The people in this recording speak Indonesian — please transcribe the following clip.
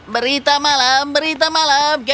berita malam berita malam